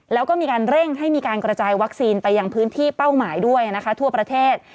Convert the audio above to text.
แล้วก็มีการเร่งให้มีการกระจายวัคซีนไปยังพื้นที่เป้าหมายด้วยนะคะทั่วประเทศ